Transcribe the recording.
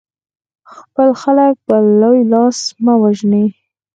خپل خلک په لوی لاس مه وژنئ.